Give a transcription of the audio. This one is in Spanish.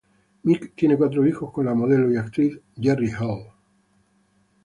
Mick tiene cuatro hijos con la modelo y actriz Jerry Hall.